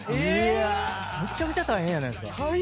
むちゃくちゃ大変やないですか。